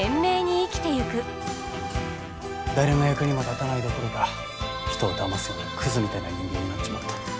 誰の役にも立たないどころか人をだますようなクズみたいな人間になっちまった。